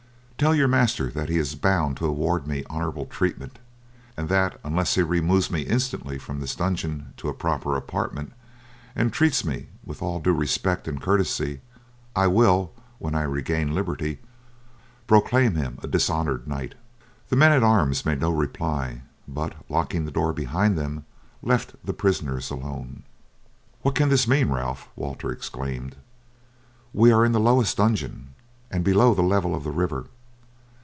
Tell your master that he is bound to award me honourable treatment, and that unless he removes me instantly from this dungeon to a proper apartment, and treats me with all due respect and courtesy, I will, when I regain liberty, proclaim him a dishonoured knight." The men at arms made no reply; but, locking the door behind them, left the prisoners alone. "What can this mean, Ralph?" Walter exclaimed. "We are in the lowest dungeon, and below the level of the river.